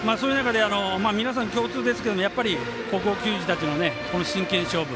皆さん、共通ですけどやっぱり高校球児たちの真剣勝負。